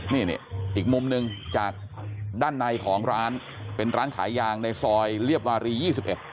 นี่อีกมุมหนึ่งจากด้านในของร้านเป็นร้านขายยางในซอยเรียบวารี๒๑